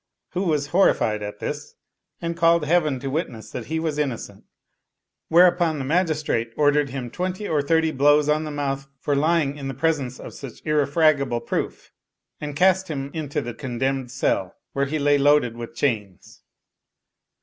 Hu was horrified at this, and called Heaven to witness that he was innocent; whereupon the magistrate ordered him twenty or thirty blows on the mouth for lying in the presence of such irrefragable proof, and cast him into the condemned cell, where he lay loaded with chains.